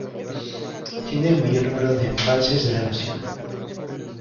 Tiene el mayor número de embalses de la nación.